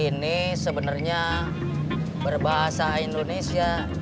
ini sebenernya berbahasa indonesia